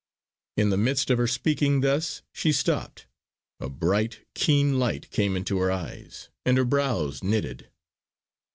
In the midst of her speaking thus she stopped; a bright, keen light came into her eyes, and her brows knitted.